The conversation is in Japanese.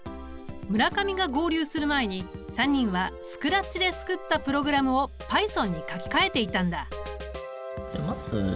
村上が合流する前に３人はＳｃｒａｔｃｈで作ったプログラムをＰｙｔｈｏｎに書き換えていたんだ。